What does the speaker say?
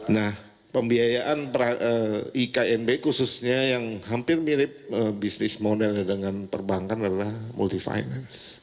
nah pembiayaan iknb khususnya yang hampir mirip bisnis modelnya dengan perbankan adalah multifinance